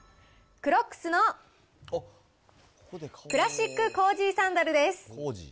クロックスのクラシックコージーサンダルです。